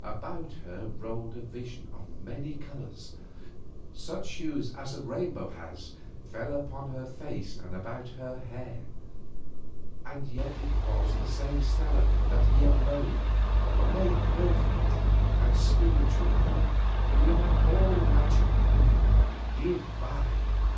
About her rolled a vision of many colours, such hues as the rainbow has fell upon her face and about her hair. And yet it was the same Stella that he had known made perfect and spiritual and, beyond all imagining, divine.